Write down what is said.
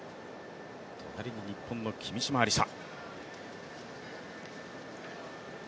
隣に日本の君嶋愛梨沙。